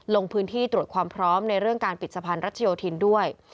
ลงพื้นที่ตรวจความพร้อมในเรื่องการปิดสะพานรัชโยธินด้วย